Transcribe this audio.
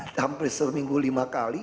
hampir seminggu lima kali